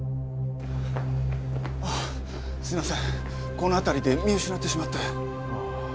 この辺りで見失ってしまって。